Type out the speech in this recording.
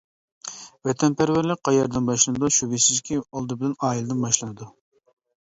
ۋەتەنپەرۋەرلىك قەيەردىن باشلىنىدۇ؟ شۈبھىسىزكى، ئۇ ئالدى بىلەن ئائىلىدىن باشلىنىدۇ.